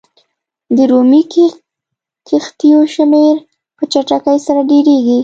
د رومي کښتیو شمېر په چټکۍ سره ډېرېږي.